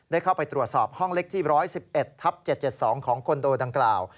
เข้าไปตรวจสอบห้องเล็กที่๑๑๑ทับ๗๗๒ของคอนโดดังกล่าว